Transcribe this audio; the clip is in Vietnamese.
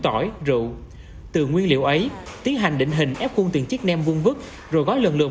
tỏi rượu từ nguyên liệu ấy tiến hành định hình ép khuôn từng chiếc nêm vuông vứt rồi gói lần lượt